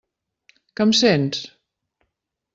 Que em sents?